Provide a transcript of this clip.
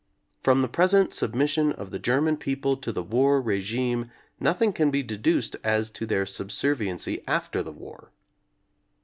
From the present submission of the German people to the war re gime nothing can be deduced as to their subservi ency after the war.